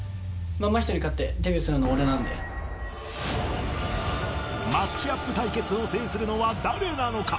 真人に勝ってデビューするのマッチアップ対決を制するのは誰なのか。